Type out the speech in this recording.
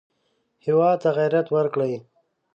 هېواد ته غیرت ورکړئ